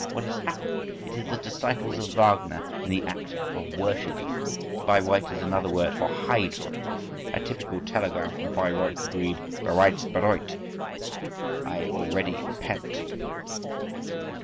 What is happening? It is the disciples of Wagner in the act of worshipping him.… Bayreuth is another word for a Hydro. A typical telegram from Bayreuth would read bereits bereut (I already repent).